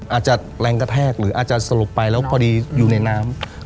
อาจจะแรงกระแทกหรืออาจจะสลบไปแล้วพอดีอยู่ในน้ำ